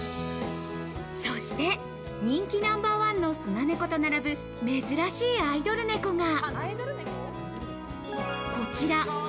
そして人気ナンバーワンのスナネコと並ぶ珍しいアイドル猫が。